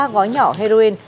ba gói nhỏ heroin